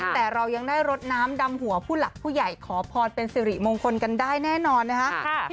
แต่เรายังได้รดน้ำดำหัวผู้หลักผู้ใหญ่ขอพรเป็นสิริมงคลกันได้แน่นอนนะคะ